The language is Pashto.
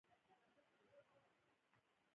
شپون پوه شو او لیوه یې وواژه.